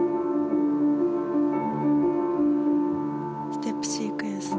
ステップシークエンス。